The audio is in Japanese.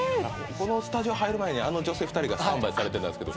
このスタジオ入る前にあの女性２人がスタンバイされてたんですけど。